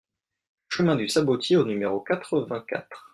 Chemin du Sabotier au numéro quatre-vingt-quatre